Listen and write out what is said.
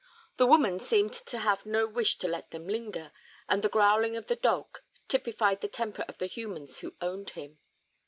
The woman seemed to have no wish to let them linger, and the growling of the dog typified the temper of the humans who owned him.